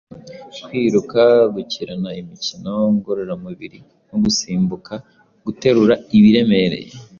kwiruka, gukirana, imikino ngororamubiri nko gusimbuka, guterura ibiremereye,